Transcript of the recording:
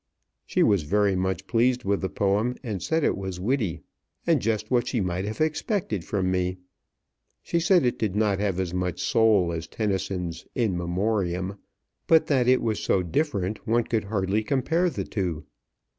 She was very much pleased with the poem, and said it was witty, and just what she might have expected from me. She said it did not have as much soul as Tennyson's "In Memoriam," but that it was so different, one could hardly compare the two.